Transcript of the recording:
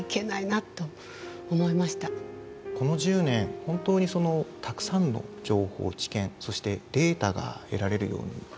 この１０年本当にたくさんの情報知見そしてデータが得られるようになりました。